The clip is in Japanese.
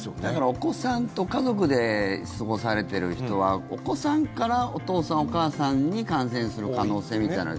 お子さんと家族で過ごされている人はお子さんからお父さんお母さんに感染する可能性みたいな。